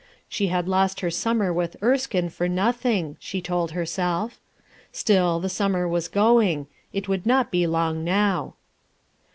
She had lost her summer with Erskine for nothing, she told herself. Still, the summer was going; it would not be long now.